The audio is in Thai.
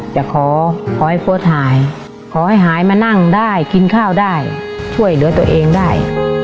จะขอขอให้โพสต์หายขอให้หายมานั่งได้กินข้าวได้ช่วยเหลือตัวเองได้